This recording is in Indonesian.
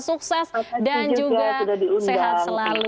sukses dan juga sehat selalu